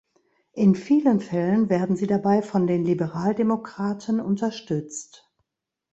In vielen Fällen werden sie dabei von den Liberaldemokraten unterstützt.